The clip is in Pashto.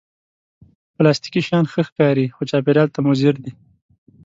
پلاستيکي شیان ښه ښکاري، خو چاپېریال ته مضر دي